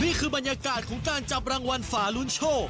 นี่คือบรรยากาศของการจับรางวัลฝาลุ้นโชค